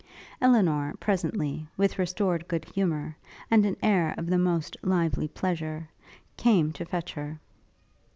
Elinor, presently, with restored good humour, and an air of the most lively pleasure, came to fetch her.